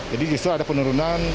jadi justru ada penurunan